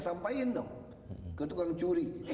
sampaikan dong ke tukang curi